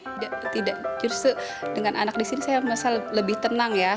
tidak justru dengan anak di sini saya merasa lebih tenang ya